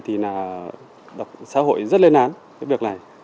thì là xã hội rất lên án cái việc này